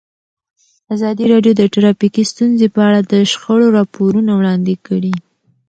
ازادي راډیو د ټرافیکي ستونزې په اړه د شخړو راپورونه وړاندې کړي.